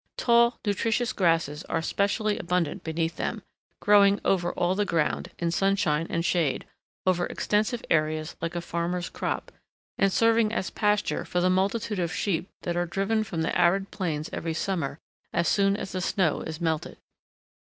Tall, nutritious grasses are specially abundant beneath them, growing over all the ground, in sunshine and shade, over extensive areas like a farmer's crop, and serving as pasture for the multitude of sheep that are driven from the arid plains every summer as soon as the snow is melted.